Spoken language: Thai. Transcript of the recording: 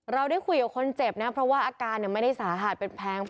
เราได้คุยกับคนเจ็บนะเพราะว่าอาการไม่ได้สาหัสเป็นแพง